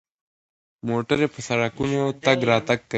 موټرې په سړکونو تګ راتګ کوي.